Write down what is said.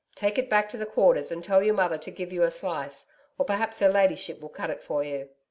Take it back to the Quarters and tell your mother to give you a slice, or perhaps her ladyship will cut it for you.'